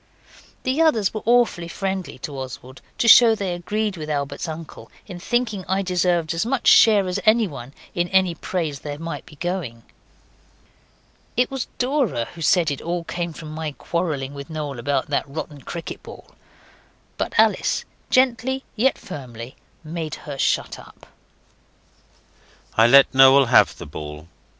The others were awfully friendly to Oswald, to show they agreed with Albert's uncle in thinking I deserved as much share as anyone in any praise there might be going. It was Dora who said it all came from my quarrelling with Noel about that rotten cricket ball; but Alice, gently yet firmly, made her shut up. I let Noel have the ball.